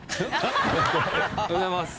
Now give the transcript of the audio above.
おはようございます。